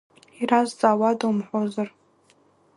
Иразҵаауада умҳәозар.